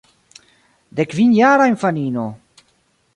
Dek kvin jara infanino!